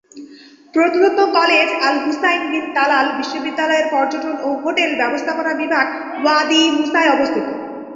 প্রত্নতত্ত্ব college, Al-Hussein bin Talal বিশ্ববিদ্যালয়ের পর্যটন ও হোটেল ব্যবস্থাপনা বিভাগ ওয়াদি মুসায় অবস্থিত।